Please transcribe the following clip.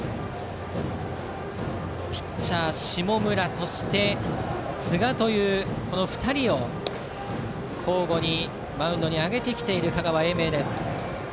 ピッチャー、下村そして寿賀という２人を交互にマウンドに上げてきている香川・英明です。